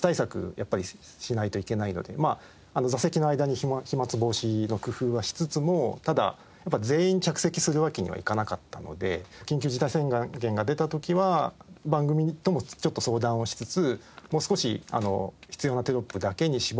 やっぱりしないといけないので座席の間に飛沫防止の工夫はしつつもただやっぱり全員着席するわけにはいかなかったので緊急事態宣言が出た時は番組ともちょっと相談をしつつもう少し必要なテロップだけに絞ってくれないかという。